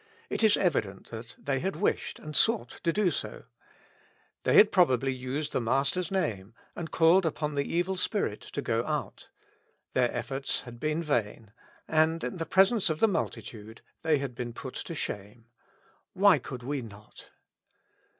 " it is evident that they had wished and sought to do so ; they had probably used the Mas ter's name, and called upon the evil spirit to go out. Their efiforts had been vain, and, in presence of the lOI With Christ in the School of Prayer. multitude, they had been put to shame. "Why could we not